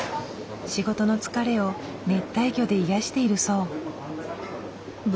仕事の疲れを熱帯魚で癒やしているそう。